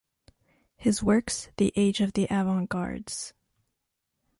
His works ""The age of the avant-gardes.